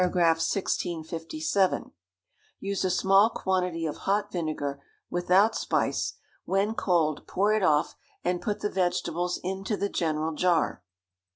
1657), use a small quantity of hot vinegar without spice; when cold, pour it off, and put the vegetables into the general jar.